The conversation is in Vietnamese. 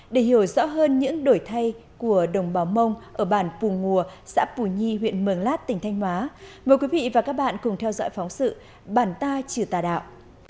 để hiểu rõ hơn những đổi thay của đồng bào mông ở bản pù ngùa xã pù nhi huyện mường lát tỉnh thanh hóa mời quý vị và các bạn cùng theo dõi phóng sự bản ta trừ tà đạo